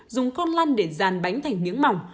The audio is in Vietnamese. dùng con lăn để dàn bánh thành miếng mỏng